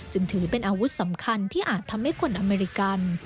จึงถือเป็นอาวุธสำคัญที่อาจทำให้คนอเมริกัน